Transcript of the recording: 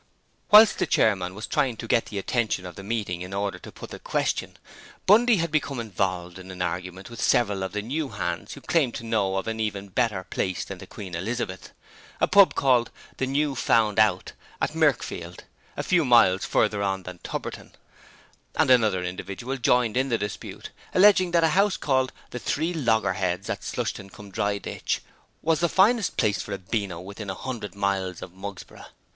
Whilst the chairman was trying to get the attention of the meeting in order to put the question, Bundy had become involved in an argument with several of the new hands who claimed to know of an even better place than the Queen Elizabeth, a pub called 'The New Found Out', at Mirkfield, a few miles further on than Tubberton, and another individual joined in the dispute, alleging that a house called 'The Three Loggerheads' at Slushton cum Dryditch was the finest place for a Beano within a hundred miles of Mugsborough.